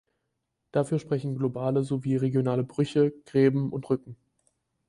Dafür sprechen globale sowie regionale Brüche, Gräben und Rücken.